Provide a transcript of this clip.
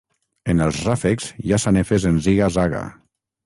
En els ràfecs hi ha sanefes en ziga-zaga.